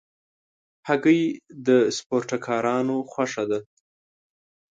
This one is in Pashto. هګۍ د سپورټکارانو خوښه ده.